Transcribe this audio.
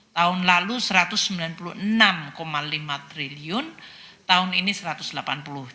tahun lalu rp satu ratus sembilan puluh enam lima triliun tahun ini rp satu ratus delapan puluh triliun